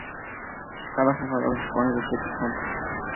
Cada jugador dispone de siete cartas.